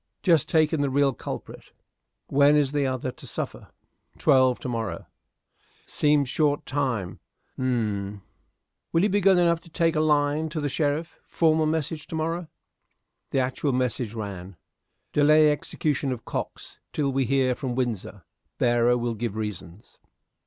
"Just taken the real culprit." "When is the other to suffer?" "Twelve to morrow." "Seems short time. Humph! Will you be good enough to take a line to the sheriff? Formal message to morrow." The actual message ran: "Delay execution of Cox till we hear from Windsor. Bearer will give reasons."